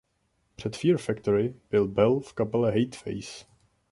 Před Fear Factory byl Bell v kapele Hate Face.